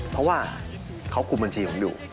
เพราะว่าเขาคุมบัญชีของดิว